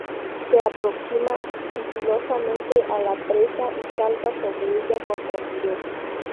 Se aproxima sigilosamente a la presa y salta sobre ella con rapidez.